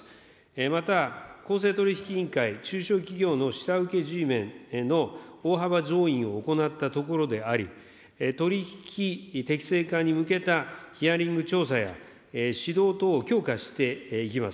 また、公正取引委員会、中小企業の下請けＧメンの大幅増員を行ったところであり、取り引き適正化に向けたヒアリング調査や指導等を強化していきます。